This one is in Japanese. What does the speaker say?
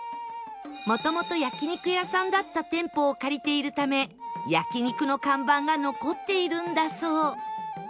もともと焼肉屋さんだった店舗を借りているため焼肉の看板が残っているんだそう